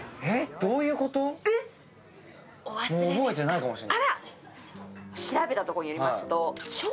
覚えてないかもしれない。